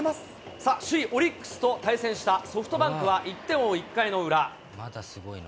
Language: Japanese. さあ、首位オリックスと対戦したソフトバンクは、１点を追うまだすごいの。